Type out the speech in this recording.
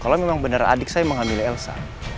kalau memang benar adik saya mengambil elsa